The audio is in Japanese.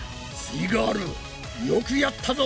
イガールよくやったぞ！